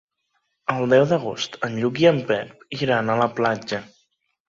El deu d'agost en Lluc i en Pep iran a la platja.